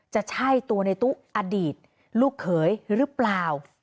จะใช่ตัวในตู้อดีตลูกเขยหรือเปล่า